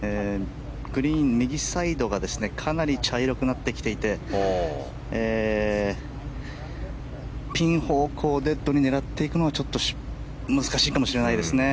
グリーン右サイドがかなり茶色くなってきていてピン方向デッドに狙っていくのはちょっと難しいかもしれないですね。